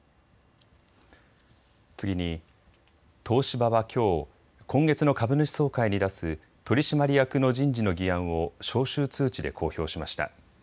次に東芝はきょう今月の株主総会に出す取締役の人事の議案を招集通知で公表しました。